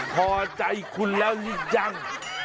พอใจคุณแล้วนี่จัง